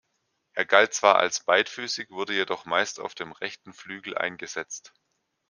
Er galt zwar als beidfüßig, wurde jedoch meist auf dem rechten Flügel eingesetzt.